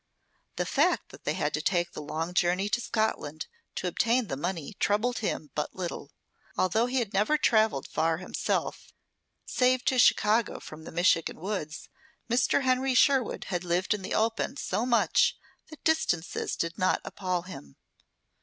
The fact that they had to take the long journey to Scotland to obtain the money troubled him but little. Although he had never traveled far himself, save to Chicago from the Michigan woods, Mr. Henry Sherwood had lived in the open so much that distances did not appall him.